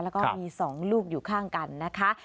แล้วก็มี๒ลูกอยู่ข้างกันนะคะ